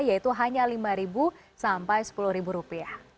yaitu hanya rp lima sampai rp sepuluh